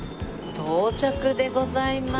到着でございます。